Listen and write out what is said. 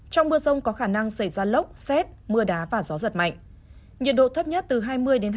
trong mưa rông có khả năng xảy ra lốc xét mưa đá và gió giật mạnh